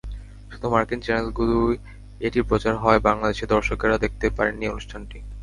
শুধু মার্কিন চ্যানেলগুলোয় এটি প্রচার হওয়ায় বাংলাদেশের দর্শকেরা দেখতে পারেননি অনুষ্ঠানটি।